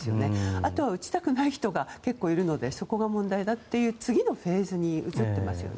あとは打ちたくない人が結構いるのでそこが問題だという次のフェーズに移ってますよね。